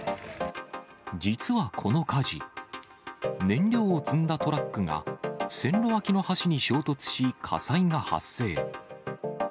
実はこの火事、燃料を積んだトラックが、線路脇の橋に衝突し、火災が発生。